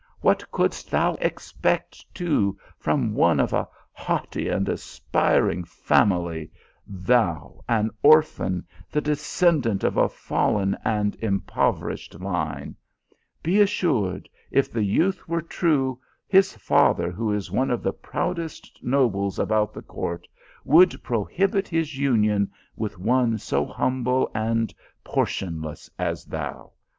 What couldst thou expect, too, from one of a haughty and aspiring family, thou, an orphan, the descend ant of a fallen and impoverished line; be assured, if the youth were true, his father, who is one of the proudest nobles about the court, would prohibit his union with one so humble and portionless as thou.